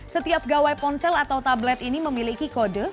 setiap gawai ponsel atau tablet ini memiliki kode